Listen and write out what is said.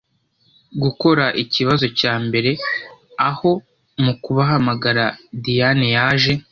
gukora ikibazo cambere… Aho mukubahamagara Diane yaje